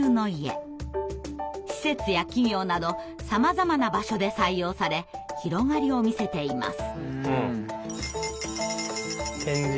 施設や企業などさまざまな場所で採用され広がりを見せています。